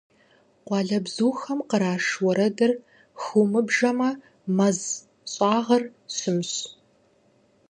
Къуалэбзухэм къраш уэрэдыр хыумыбжэмэ, мэз щӀагъыр щымщ.